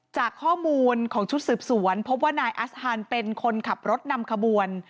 จากข้อมูลของชุดสืบสวนพบว่านายอัสฮานเป็นคนขับรถนำขบวน